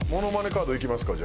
カードいきますかじゃあ。